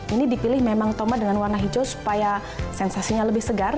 ini dipilih memang tomat dengan warna hijau supaya sensasinya lebih segar